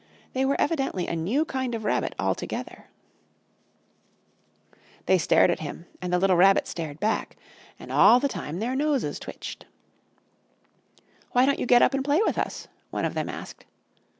They were evidently a new kind of rabbit altogether. Summer Days They stared at him, and the little Rabbit stared back. And all the time their noses twitched. "Why don't you get up and play with us?" one of them asked.